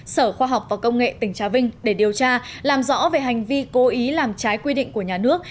sở khoa học và công nghệ tỉnh trà vinh để điều tra làm rõ về hành vi cố ý làm trái quy định của nhà nước